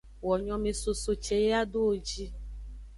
Wo nyomesoso ce yi ado wo ji.